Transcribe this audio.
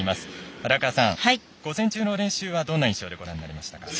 荒川さん、午前中の練習はどんな印象でご覧になりましたか。